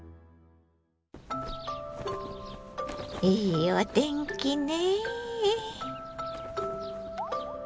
いいお天気ね。